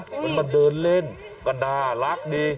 คนมาเดินเล่นก็น่ารักดี